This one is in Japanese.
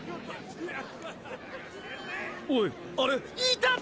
・・おいあれ・・いたぞ！